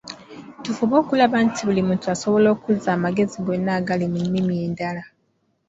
Tufube okulaba nti buli muntu asobola okuza amagezi gonna agaliwo mu nnimi endala.